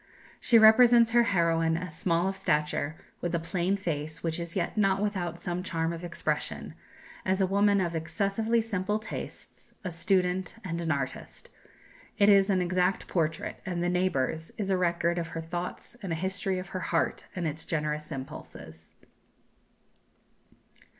She represents her heroine as small of stature, with a plain face, which is yet not without some charm of expression, as a woman of excessively simple tastes, a student, and an artist. It is an exact portrait; and "The Neighbours" is a record of her thoughts and a history of her heart and its generous impulses.